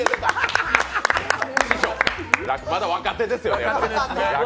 まだ若手ですよ。